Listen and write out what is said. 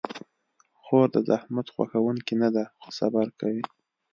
خور د زحمت خوښونکې نه ده، خو صبر کوي.